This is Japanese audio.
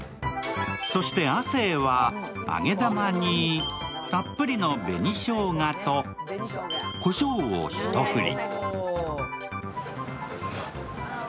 そして亜生は揚げ玉にたっぷりの紅しょうがとコショウを１振り。